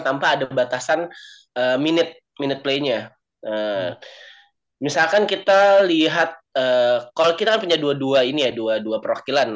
tanpa ada batasan minute minute playnya misalkan kita lihat kalau kita punya dua puluh dua ini ya dua puluh dua perwakilan